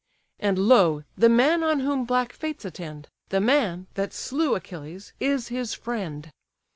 "And, lo! the man on whom black fates attend; The man, that slew Achilles, is his friend!